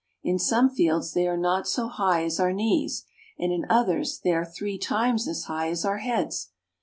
In some fields they are not so high as our knees, and in others they are three times as high as our heads.